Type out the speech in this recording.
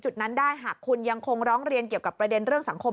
จุดนั้นได้หากคุณยังคงร้องเรียนเกี่ยวกับประเด็นเรื่องสังคม